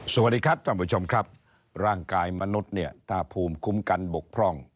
สวัสดีครับท่านผู้ชมครับร่างกายมนุษย์เนี่ยถ้าภูมิคุ้มกันบกพร่อง